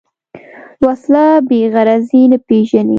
وسله بېغرضي نه پېژني